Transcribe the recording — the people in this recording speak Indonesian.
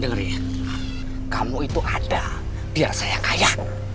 dengerin ya kamu itu ada biar saya kaya